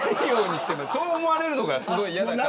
そう思われるのがすごい嫌だから。